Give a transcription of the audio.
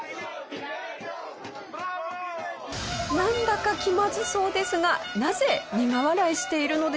なんだか気まずそうですがなぜ苦笑いしているのでしょうか？